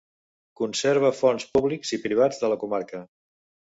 Conserva fons públics i privats de la comarca.